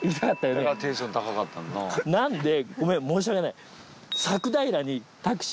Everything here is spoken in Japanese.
なのでごめん申し訳ない。